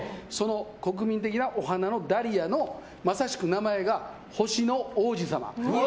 国民的なお花のダリアのまさしく名前が星の王子さま。